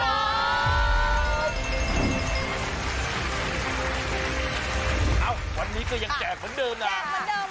เอ้าวันนี้ก็ยังแจกเหมือนเดิมนะเหมือนเดิม